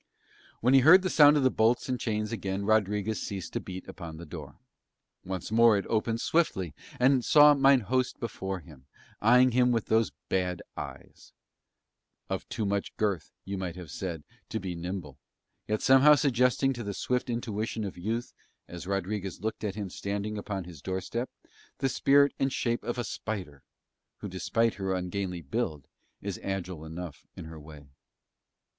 When he heard the sound of the bolts and chains again Rodriguez ceased to beat upon the door: once more it opened swiftly, and he saw mine host before him, eyeing him with those bad eyes; of too much girth, you might have said, to be nimble, yet somehow suggesting to the swift intuition of youth, as Rodriguez looked at him standing upon his door step, the spirit and shape of a spider, who despite her ungainly build is agile enough in her way.